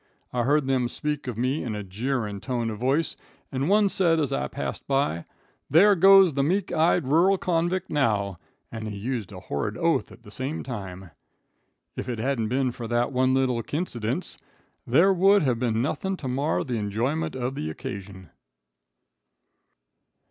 I heard them speak of me in a jeering tone of voice, and one said as I passed by: 'There goes the meek eyed rural convict now,' and he used a horrid oath at the same time. "If it hadn't been for that one little quincidence, there would have been nothing to mar the enjoyment of the occasion."